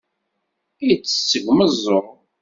Itess seg umeẓẓuɣ.